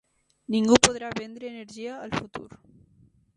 Ningú podrà vendre energia al futur.